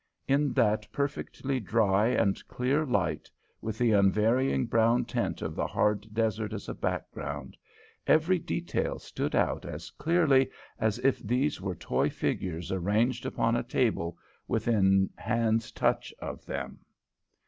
In that perfectly dry and clear light, with the unvarying brown tint of the hard desert as a background, every detail stood out as clearly as if these were toy figures arranged upon a table within hand's touch of them.